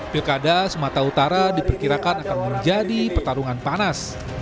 pilkada sumatera utara diperkirakan akan menjadi pertarungan panas